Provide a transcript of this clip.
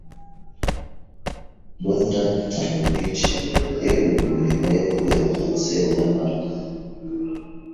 Bogdan Tanevich yeguye ku mirimo ye kubera kanseri y'amara.